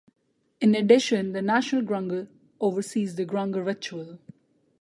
In addition, the National Grange oversees the Grange ritual.